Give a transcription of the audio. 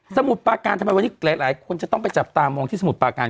มุดปาการทำไมวันนี้หลายคนจะต้องไปจับตามองที่สมุทรปาการ